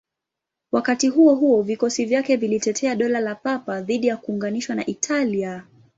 Wakati huo huo, vikosi vyake vilitetea Dola la Papa dhidi ya kuunganishwa na Italia.